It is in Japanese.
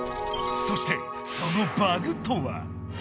そしてそのバグとは。